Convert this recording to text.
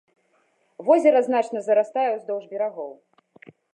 Возера значна зарастае ўздоўж берагоў.